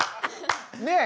ねえ！